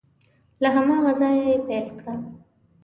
له هماغه ځایه یې پیل کړه